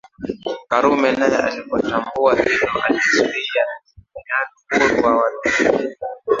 Karume naye alipotambua hilo alizuia mwingiliano huru wa watu